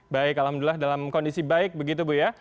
baik alhamdulillah dalam kondisi baik begitu bu ya